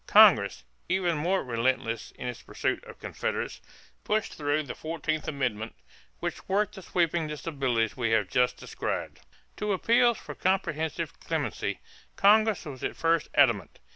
Congress, even more relentless in its pursuit of Confederates, pushed through the fourteenth amendment which worked the sweeping disabilities we have just described. To appeals for comprehensive clemency, Congress was at first adamant.